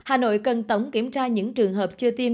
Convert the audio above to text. hà nội cần tổng kiểm tra những trường hợp chưa tiêm